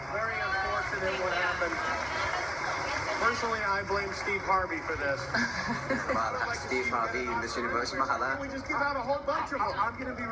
มาแล้วค่ะสตีฟฮาร์บีอินเบิร์ชมาแล้ว